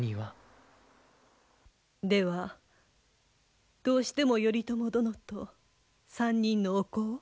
ではどうしても頼朝殿と３人のお子を？